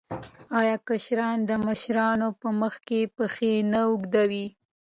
آیا کشران د مشرانو په مخ کې پښې نه اوږدوي؟